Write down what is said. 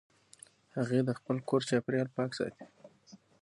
هغې د خپل کور چاپېریال پاک ساتي.